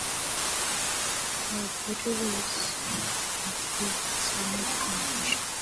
The buttresses of the building are made from ashlar.